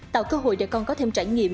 tạo cơ hội để con có thêm trải nghiệm